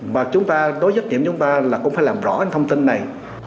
và chúng ta đối với trách nhiệm chúng ta là cũng phải làm rõ thông tin này